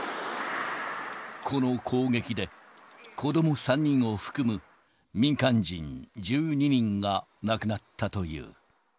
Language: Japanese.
この攻撃で、子ども３人を含む民間人１２人が亡くなったという。